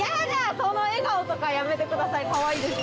その笑顔とかやめてくださいかわいいです。